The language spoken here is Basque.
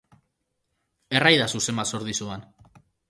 Erraidazu zenbat zor dizudan.